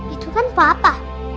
itu kan papa